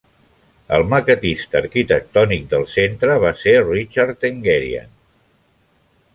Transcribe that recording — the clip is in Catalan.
El maquetista arquitectònic del Centre va ser Richard Tenguerian.